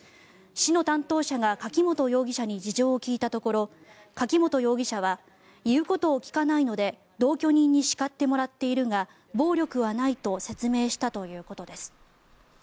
市の担当者が柿本容疑者に事情を聴いたところ柿本容疑者は言うことを聞かないので同居人に叱ってもらっているが暴力はないと説明したということです。